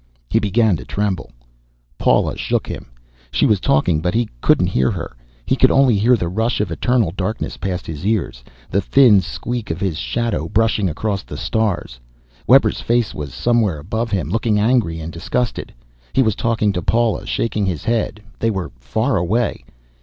He began to tremble. Paula shook him. She was talking but he couldn't hear her. He could only hear the rush of eternal darkness past his ears, the thin squeak of his shadow brushing across the stars. Webber's face was somewhere above him, looking angry and disgusted. He was talking to Paula, shaking his head. They were far away.